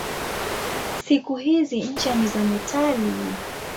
Siku hizi ncha ni za metali.